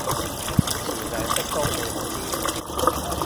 詞量適中會好啲